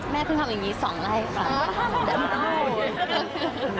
แม่เพิ่งทำแบบนี้๒รายค่ะ